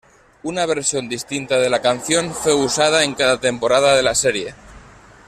Una versión distinta de la canción fue usada en cada temporada de la serie.